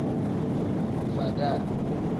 Faada.